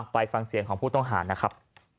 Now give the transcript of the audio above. ไปฟังเสียงของผู้ต้องหานะครับ